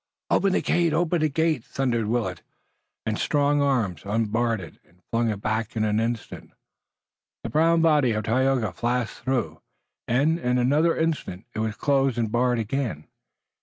"Open the gate! Open the gate!" thundered Willet, and strong arms unbarred it and flung it back in an instant. The brown body of Tayoga flashed through, and, in another instant, it was closed and barred again.